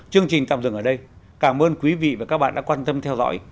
chương trình tạm dừng ở đây cảm ơn quý vị và các bạn đã quan tâm theo dõi